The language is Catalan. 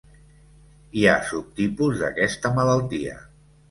Hi ha subtipus d'aquesta malaltia.